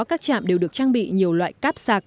các trạm đều được trang bị nhiều loại cáp sạc